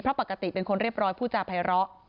เพราะปกติเป็นคนเรียบร้อยผู้จาภัยร้อ